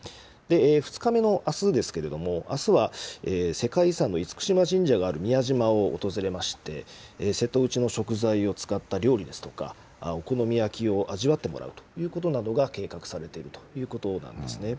２日目のあすですけれども、あすは世界遺産の厳島神社がある宮島を訪れまして、瀬戸内の食材を使った料理ですとか、お好み焼きを味わってもらうということなどが計画されているということなんですね。